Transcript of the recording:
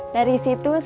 cari siapa ya